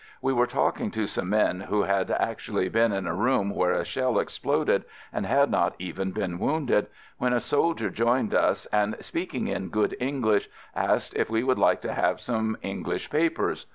We were talking to some men who had actually been in a room where a shell exploded and had not even been wounded, when a soldier joined us and speaking in good English, asked if we would like to have some English papers.